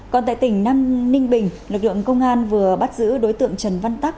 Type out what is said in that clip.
còn tại tỉnh nam ninh bình lực lượng công an vừa bắt giữ đối tượng trần văn tắc